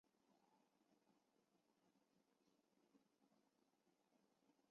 服务于沿线的市区内工厂企业。